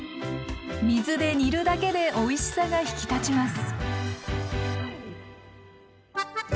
水で煮るだけでおいしさが引き立ちます。